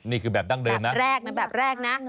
นี่คือแบบดั้งเดิมนะแรกนะแบบแรกนะ